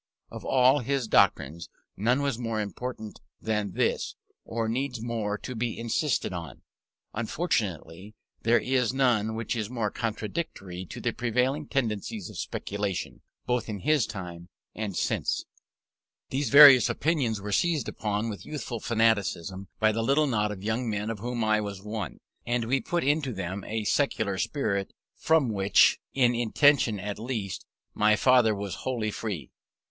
Of all his doctrines none was more important than this, or needs more to be insisted on; unfortunately there is none which is more contradictory to the prevailing tendencies of speculation, both in his time and since. These various opinions were seized on with youthful fanaticism by the little knot of young men of whom I was one: and we put into them a sectarian spirit, from which, in intention at least, my father was wholly free.